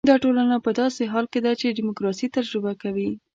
دا ټولنه په داسې حال کې ده چې ډیموکراسي تجربه کوي.